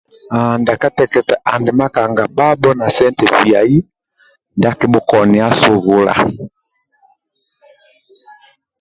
Haaa ndia kateketa andi makanga bhabho na sente biai ndia akibhukonia subula